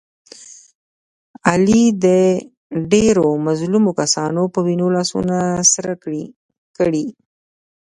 علي د ډېرو مظلومو کسانو په وینو لاسونه سره کړي.